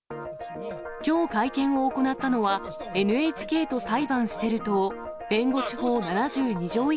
きょう会見を行ったのは、ＮＨＫと裁判してる党弁護士法７２条